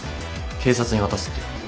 警察に渡すって。